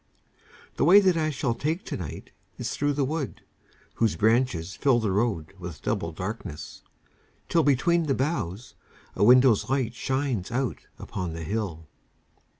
The way that I shall take to night Is through the wood whose branches fill The road with double darkness, till, Between the boughs, a window's light Shines out upon the hill.